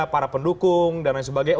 para pendukung dan lain sebagainya